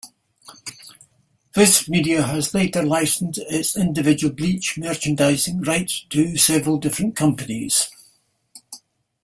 Viz Media has later licensed its individual "Bleach" merchandising rights to several different companies.